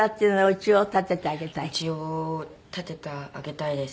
家を建ててあげたいです。